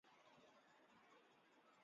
现效力丹麦足球超级联赛球队艾斯堡。